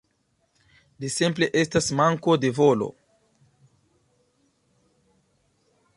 Ĝi simple estas manko de volo.